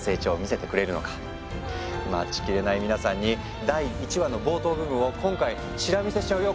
待ちきれない皆さんに第１話の冒頭部分を今回チラ見せしちゃうよ！